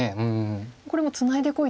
これもうツナいでこいと。